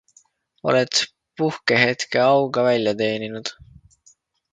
Oled puhkehetke auga välja teeninud.